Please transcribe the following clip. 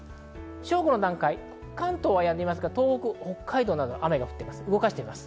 正午の段階、関東はやみますが、東北、北海道などは雨が降っています。